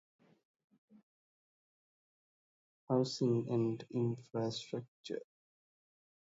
ހައުސިންގ އެންޑް އިންފްރާންސްޓްރަކްޗަރ